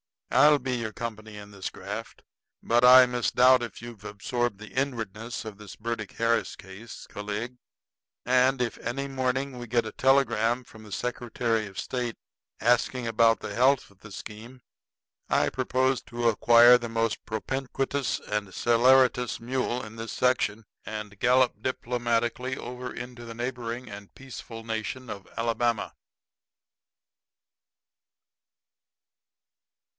I'll be your company in this graft. But I misdoubt if you've absorbed the inwardness of this Burdick Harris case, Calig; and if on any morning we get a telegram from the Secretary of State asking about the health of the scheme, I propose to acquire the most propinquitous and celeritous mule in this section and gallop diplomatically over into the neighboring and peaceful nation of Alabama."